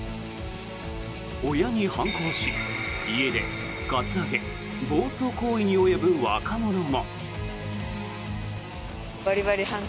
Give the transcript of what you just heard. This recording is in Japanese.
親に反抗し、家出、カツアゲ暴走行為に及ぶ若者も。